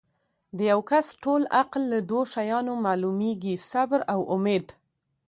د یو کس ټول عقل لۀ دوه شیانو معلومیږي صبر او اُمید